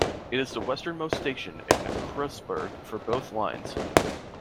It is the westernmost station in Kreuzberg for both lines.